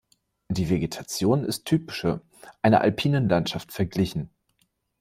Die Vegetation ist typische, einer alpinen Landschaft verglichen.